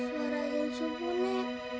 suara yang subuh nek